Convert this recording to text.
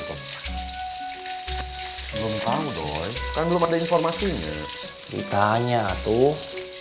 belum tahu dong kan belum ada informasinya ditanya tuh